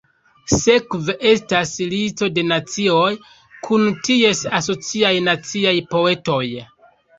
Sekve estas listo de nacioj, kun ties asociaj naciaj poetoj.